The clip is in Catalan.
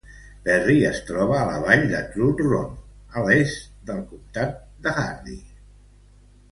Perry es troba a la vall de Trout Run, a l'est del comptat de Hardy.